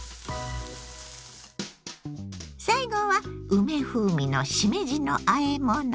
最後は梅風味のしめじのあえもの。